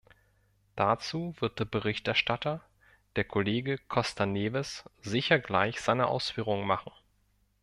Dazu wird der Berichterstatter, der Kollege Costa Neves, sicher gleich seine Ausführungen machen.